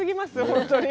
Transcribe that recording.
本当に。